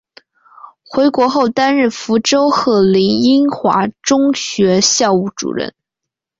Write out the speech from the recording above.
回国后担任福州鹤龄英华中学校务主任。